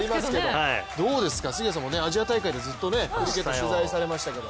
どうですか、杉谷さんもアジア大会でクリケット、ずっと取材されてましたけど。